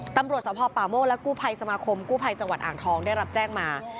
ตำรวจสภป่าโมกและกู้ภัยสมาคมกู้ภัยจังหวัดอ่างทองได้รับแจ้งมา